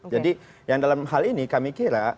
jadi yang dalam hal ini kami kira